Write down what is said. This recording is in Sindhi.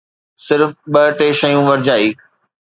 صرف ٻه ٽي شيون ورجائي.